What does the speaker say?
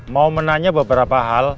mau menanya beberapa hal